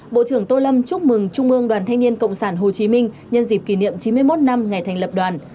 bộ trưởng tô lâm chúc mừng trung ương đoàn thanh niên cộng sản hồ chí minh nhân dịp kỷ niệm chín mươi một năm ngày thành lập đoàn